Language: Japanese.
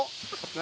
何？